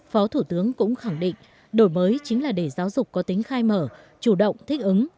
phó thủ tướng cũng khẳng định đổi mới chính là để giáo dục có tính khai mở chủ động thích ứng